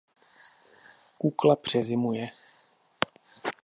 Kukla přezimuje.